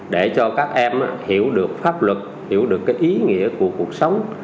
để cho các em hiểu được pháp luật hiểu được cái ý nghĩa của cuộc sống